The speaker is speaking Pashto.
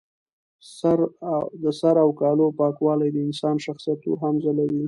د سر او کالو پاکوالی د انسان شخصیت نور هم ځلوي.